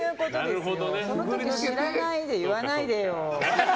その時を知らないで言わないでよ。